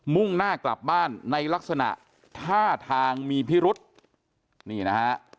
มุ่งหน้ากลับบ้านในลักษณะท่าทางมีพิรุษนี่นะฮะ